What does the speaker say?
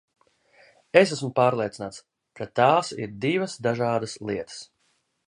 Es esmu pārliecināts, ka tās ir divas dažādas lietas.